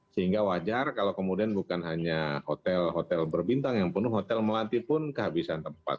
sehingga wajar kalau kemudian bukan hanya hotel hotel berbintang yang penuh hotel melati pun kehabisan tempat